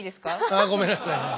ああごめんなさいね。